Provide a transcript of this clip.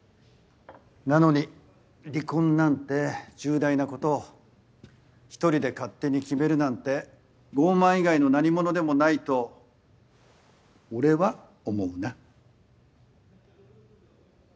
なのに離婚なんて重大なことを一人で勝手に決めるなんて傲慢以外の何物でもないと俺は思うな。